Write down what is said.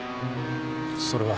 それは。